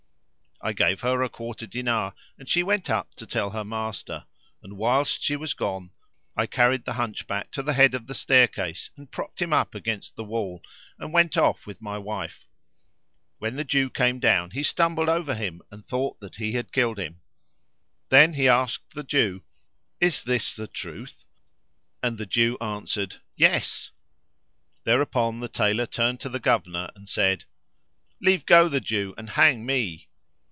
I gave her a quarter dinar and she went up to tell her master; and, whilst she was gone, I carried the Hunchback to the head of the staircase and propped him up against the wall, and went off with my wife. When the Jew came down he stumbled over him and thought that he had killed him." Then he asked the Jew, "Is this the truth?"; and the Jew answered, "Yes." Thereupon the Tailor turned to the Governor, and said, "Leave go the Jew and hang me."